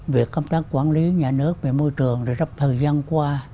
việc công tác quản lý nhà nước về môi trường đã rất thời gian qua